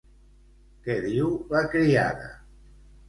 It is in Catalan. Què diu la criada?